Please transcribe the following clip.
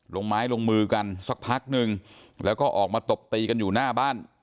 ลงไม้ลงมือกันสักพักนึงแล้วก็ออกมาตบตีกันอยู่หน้าบ้าน